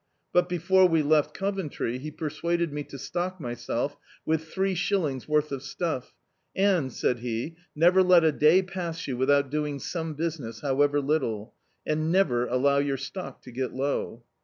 But, before we left Coventry, he persuaded me to stock myself with three shillings' worth of stuff, and, said he, "never let a day pass you without doing some business, however little; and never allow your stock to get low."